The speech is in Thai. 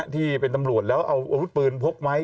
ที่เป็นตำรวจแล้วเอาอาวุธปืนพกไว้